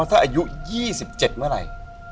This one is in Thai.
มองว่าถ้าอายุ๒๗เมื่อไร